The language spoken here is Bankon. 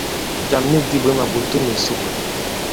Jàm nik dī bwě màɓòto nì ìsuk.